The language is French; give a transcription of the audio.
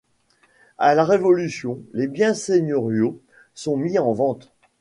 À la Révolution, les biens seigneuriaux sont mis en vente.